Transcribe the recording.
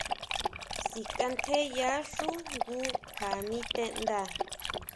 Síkʼantjeyaxú jngu kjua niteʼnda.